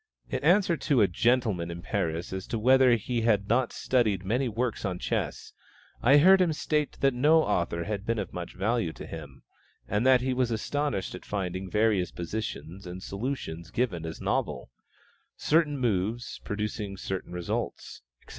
In answer to a gentleman in Paris as to whether he had not studied many works on chess, I heard him state that no author had been of much value to him, and that he was astonished at finding various positions and solutions given as novel certain moves producing certain results, etc.